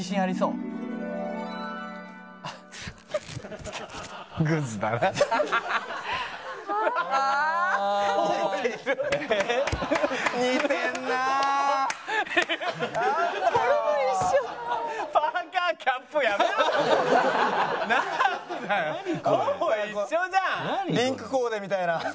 リンクコーデみたいな。